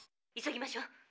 急ぎましょう。